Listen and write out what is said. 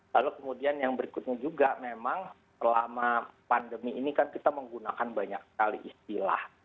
lalu kemudian yang berikutnya juga memang selama pandemi ini kan kita menggunakan banyak sekali istilah